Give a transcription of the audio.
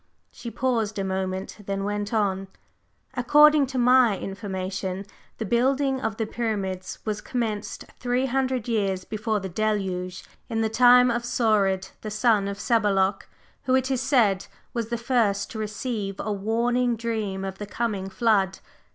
She paused a moment, then went on: "According to my information, the building of the Pyramids was commenced three hundred years before the Deluge, in the time of Saurid, the son of Sabaloc, who, it is said, was the first to receive a warning dream of the coming flood.